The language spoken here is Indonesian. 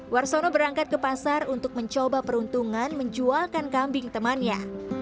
warsono berangkat ke pasar untuk mencoba peruntungan menjualkan kambing temannya